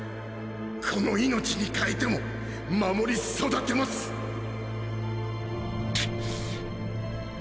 この命に代えても守り育てますくっ！